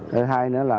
thứ hai nữa là